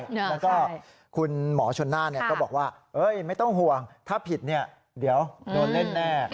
แล้วก็คุณหมอชนน่านก็บอกว่าไม่ต้องห่วงถ้าผิดเดี๋ยวโดนเล่นแน่